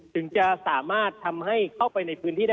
ถึงจะสามารถทำให้เข้าไปในพื้นที่ได้